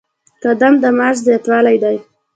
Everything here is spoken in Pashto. قدم د معاش زیاتوالی دی